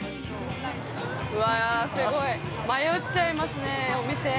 ◆わあ、すごい。迷っちゃいますね、お店。